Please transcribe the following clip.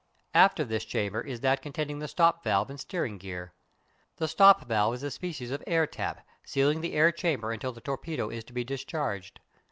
Aft of this chamber is that containing the stop valve and steering gear. The stop valve is a species of air tap sealing the air chamber until the torpedo is to be discharged.